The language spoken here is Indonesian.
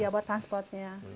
iya buat transportnya